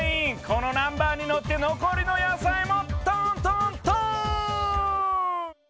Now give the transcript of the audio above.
このナンバーにのってのこりの野菜もトントントーン！